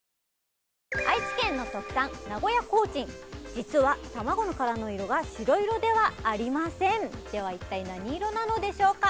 実は卵の殻の色が白色ではありませんでは一体何色なのでしょうか